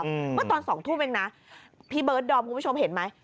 อือป่ะตอนสองศูนย์เองนะพี่เบิศดอมบุคพี่โชคเห็นไหม